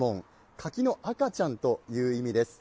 柿の赤ちゃんという意味です。